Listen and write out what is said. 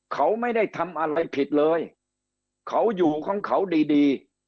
เขาไม่ได้ทำอะไรผิดเลยเขาอยู่ของเขาดีดี